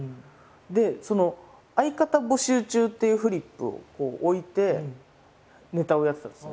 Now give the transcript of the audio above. で「相方募集中」っていうフリップを置いてネタをやってたんですね。